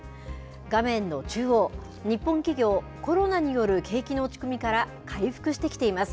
画面の中央、日本企業、コロナによる景気の落ち込みから回復してきています。